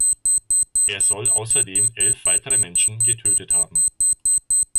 Er soll außerdem elf weitere Menschen getötet haben.